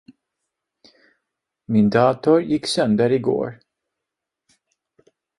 Min dator gick sönder igår.